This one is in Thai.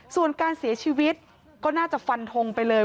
ส่วนการเสียชีวิตก็น่าจะฟันทงไปเลย